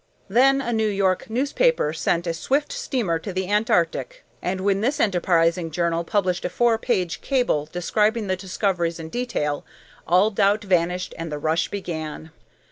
Then a New York newspaper sent a swift steamer to the Antarctic, and when this enterprising journal published a four page cable describing the discoveries in detail, all doubt vanished and the rush began.